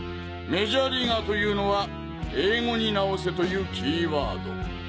「メジャーリーガー」というのは英語に直せというキーワード。